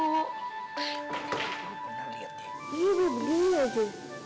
iya beh begini aja